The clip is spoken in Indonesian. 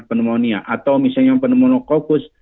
pneumonia atau misalnya penemuh kokus